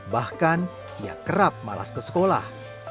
bahkan ia kerap malas ke sekolah